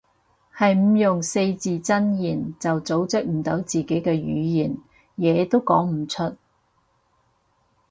係唔用四字真言就組織唔到自己嘅語言，嘢都講唔出